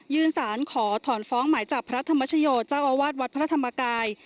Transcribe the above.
ยืนสารขอถอนฟ้องหมายจากพระราชมชโยชน์ขอวาดวัดพระธรรมกาย